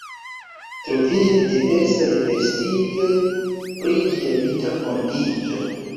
Troviĝas diversaj versioj pri ĝia mita fondiĝo.